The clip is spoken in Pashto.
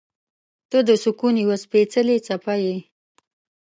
• ته د سکون یوه سپېڅلې څپه یې.